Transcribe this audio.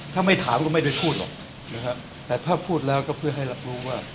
ถ้าไม่ถามก็ไม่ได้พูดหรอกนะครับแต่ถ้าพูดแล้วก็เพื่อให้รับรู้ว่า